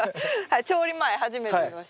調理前初めて見ました。